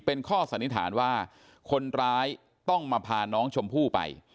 เป็นข้อสันนิษฐานว่าคนร้ายต้องมาพาน้องชมพู่ไป